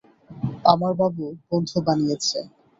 আমার বাবু বন্ধু বানিয়েছে।